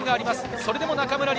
それでも中村輪